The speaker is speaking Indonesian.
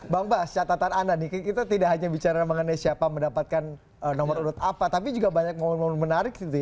bang bas catatan anda nih kita tidak hanya bicara mengenai siapa mendapatkan nomor urut apa tapi juga banyak momen momen menarik gitu ya